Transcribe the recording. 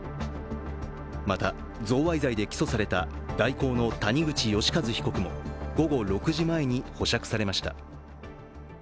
また、贈賄罪で起訴された大広の谷口義一被告も午後６時前に保釈されました。